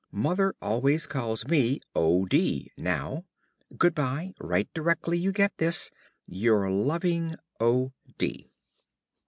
Mother always calls me O. D. now. Good bye. Write directly you get this. Your loving, O. D.